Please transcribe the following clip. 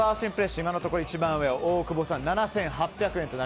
今のところ一番上は大久保さんの７８００円と。